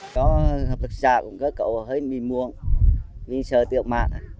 có hợp lực giả cũng gỡ cậu hơi mì muộn vì sợ tiệm mạng